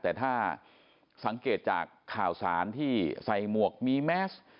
แต่ถ้าสังเกตจากข่าวสารที่ใส่หมวกมีแมส